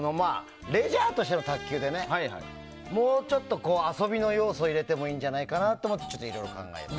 レジャーとしての卓球でもうちょっと遊びの要素を入れてもいいんじゃないかなと思って考えました。